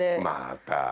また。